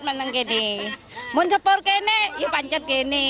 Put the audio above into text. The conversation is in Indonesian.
kalau ada yang mau jual ya pancat